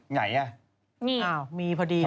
ไหนอะอ่าวมีพอดี